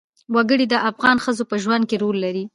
وګړي د افغان ښځو په ژوند کې رول لري.